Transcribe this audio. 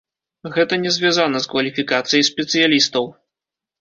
Гэта не звязана з кваліфікацыяй спецыялістаў.